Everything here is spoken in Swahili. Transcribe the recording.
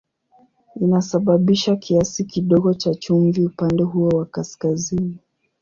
Inasababisha kiasi kidogo cha chumvi upande huo wa kaskazini.